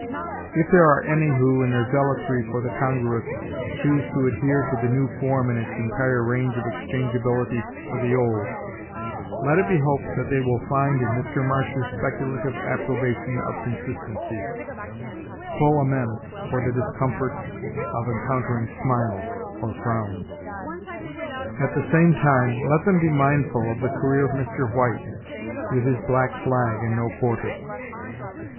If there are any who, in their zealotry for the congruous, choose to adhere to the new form in its entire range of exchangeability for the old, let it be hoped that they will find, in Mr. Marsh's speculative approbation of consistency, full amends for the discomfort of encountering smiles or frowns. At the same time, let them be mindful of the career of Mr. White, with his black flag and no quarter.